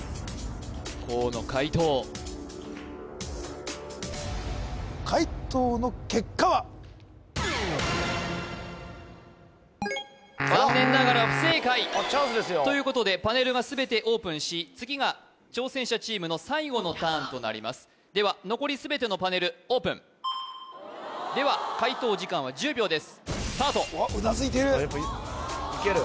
河野解答解答の結果は残念ながら不正解チャンスですよということでパネルが全てオープンし次が挑戦者チームの最後のターンとなりますでは残り全てのパネルオープンでは解答時間は１０秒ですスタートうわっうなずいているいける？